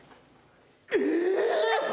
え！